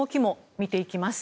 見ていきます。